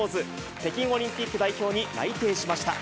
北京オリンピック代表に内定しました。